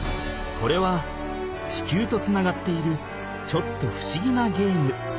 これは地球とつながっているちょっとふしぎなゲーム。